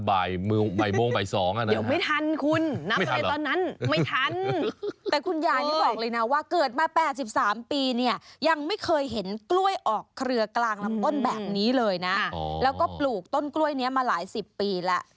บนแบบนี้เลยนะแล้วก็ปลูกต้นกล้วยนี้มาหลาย๑๐ปีแล้ว